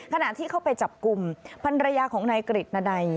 ขณะที่เข้าไปจับกลุ่มพันรยาของนายกริจนใด